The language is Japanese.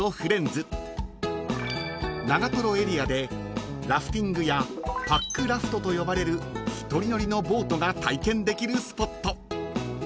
［長瀞エリアでラフティングやパックラフトと呼ばれる１人乗りのボートが体験できるスポット］